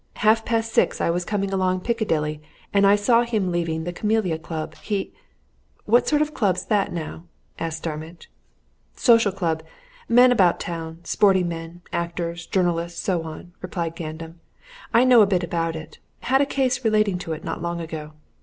Half past six I was coming along Piccadilly, and I saw him leaving the Camellia Club. He " "What sort of a club's that, now?" asked Starmidge. "Social club men about town, sporting men, actors, journalists, so on," replied Gandam. "I know a bit about it had a case relating to it not so long ago.